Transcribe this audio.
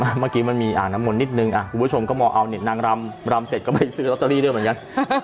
เมื่อกี้มันมีอ่างน้ำมนต์นิดนึงคุณผู้ชมก็มองเอานี่นางรำรำเสร็จก็ไปซื้อลอตเตอรี่ด้วยเหมือนกัน